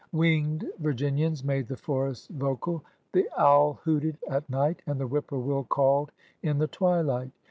Winged Vir ginians made the forests vocal. The owl hooted at night, and the whippoorwill called in the twilight.